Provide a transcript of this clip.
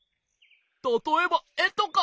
たとえばえとか！